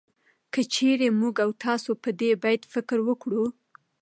که چېرې موږ او تاسو په دې بيت فکر وکړو